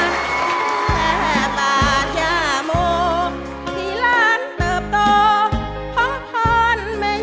แม่ตาจ้าโมพี่ร้านเติบโตห่องพรแมย่